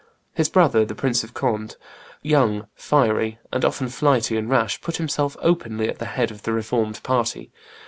His brother, the Prince of Conde, young, fiery, and often flighty and rash, put himself openly at the head of the Reformed party.